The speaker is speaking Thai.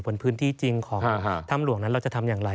พื้นที่จริงของถ้ำหลวงนั้นเราจะทำอย่างไร